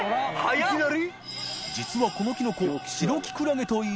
いきなり？